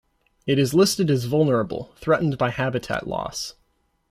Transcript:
It is listed as vulnerable, threatened by habitat loss.